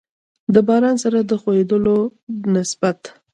د باران سره د خوييدلو نسبت